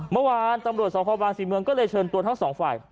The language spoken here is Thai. เมื่อวานตำรวจสพบางศรีเมืองก็เลยเชิญตัวทั้งสองฝ่าย